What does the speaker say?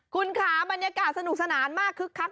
คุณค่ะบรรยากาศสนุกสนานมากคึกคัก